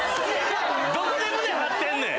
どこで胸張ってんねん！